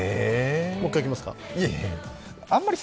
もう一回いきますか？